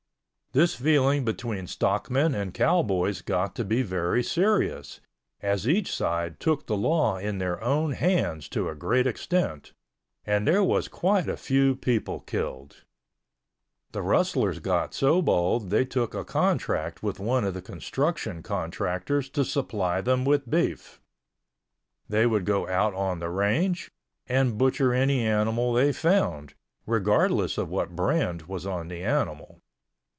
This feeling between stockmen and cowboys got to be very serious, as each side took the law in their own hands to a great extent, and there was quite a few people killed. The rustlers got so bold they took a contract with one of the construction contractors to supply them with beef. They would go out on the range, and butcher any animal they found, regardless of what brand was on the animal.